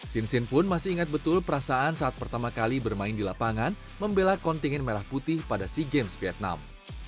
sinsin pun masih ingat betul perasaan saat pertama kali bermain di lapangan membela kontingen merah putih pada sea games vietnam